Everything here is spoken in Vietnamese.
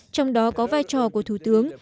trong đó có vai trò của thủ tướng